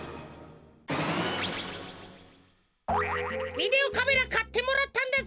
ビデオカメラかってもらったんだぜ。